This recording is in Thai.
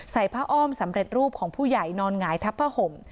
ผ้าอ้อมสำเร็จรูปของผู้ใหญ่นอนหงายทับผ้าห่ม